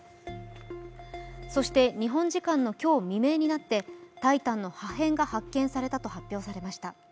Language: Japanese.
そして日本時間の今日未明になって「タイタン」の破片が発見されたと発表されました。